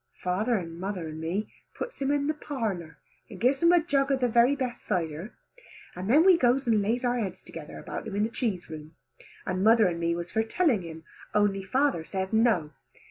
Father and mother and me puts him in the parlour and gives him a jug of the very best cider, and then we goes and lays our heads together about him in the cheese room, and mother and me was for telling him, only father say no.